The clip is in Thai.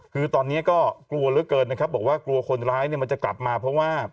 คือตอนนี้ก็กลัวเหลือเกินนะครับบอกว่ากลัวคนร้ายเนี่ยมันจะกลับมาเพราะว่า